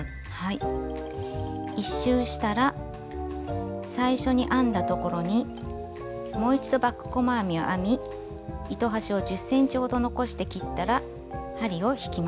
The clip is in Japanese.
１周したら最初に編んだところにもう一度バック細編みを編み糸端を１０ｃｍほど残して切ったら針を引きます。